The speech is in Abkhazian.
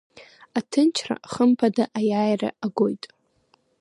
Аҭынчра хымԥада аиааира агоит.